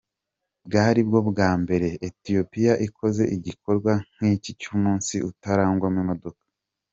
Bwari bwo bwa mbere Ethiopia ikoze igikorwa nk'iki cy'umunsi utarangwamo imodoka.